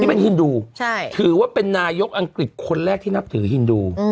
เป็นฮินดูถือว่าเป็นนายกอังกฤษคนแรกที่นับถือฮินดู